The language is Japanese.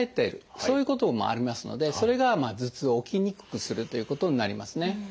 そういうこともありますのでそれが頭痛を起きにくくするということになりますね。